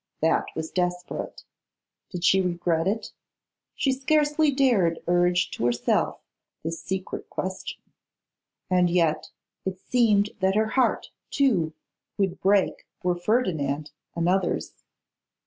That was desperate. Did she regret it? She scarcely dared urge to herself this secret question; and yet it seemed that her heart, too, would break were Ferdinand another's.